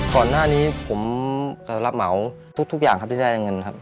ก่อนหน้านี้ผมรับเหมาทุกอย่างครับที่ได้เงินครับ